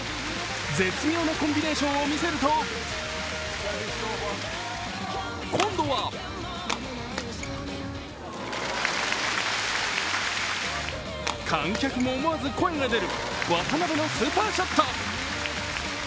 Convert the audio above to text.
絶妙なコンビネーションを見せると今度は観客も思わず声が出る渡辺のスーパーショット。